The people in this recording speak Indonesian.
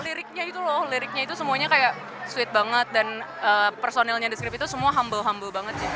liriknya itu loh liriknya itu semuanya kayak sweet banget dan personilnya the scrip itu semua humble humble banget